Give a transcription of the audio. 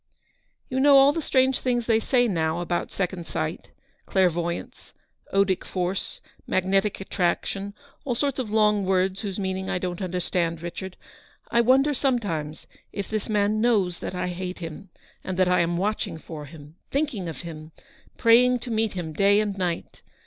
"You know all the strange things they say now ahout second sight, clairvoyance, odic force magnetic attraction — all sorts of long words whose meaning I don't understand, Richard — I wonder sometimes if this man knows that I hate him, and that I am watching for him, thinking of him, praying to meet him day and night.